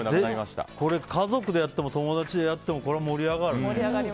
これ、家族とやっても友達でやってもこれは盛り上がるね。